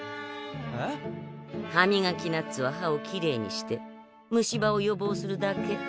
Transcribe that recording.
「歯みがきナッツ」は歯をきれいにして虫歯を予防するだけ。